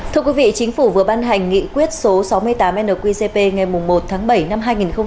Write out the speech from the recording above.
thưa quý vị chính phủ vừa ban hành nghị quyết số sáu mươi tám nqcp ngày một tháng bảy năm hai nghìn hai mươi